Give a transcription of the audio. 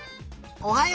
おはよう。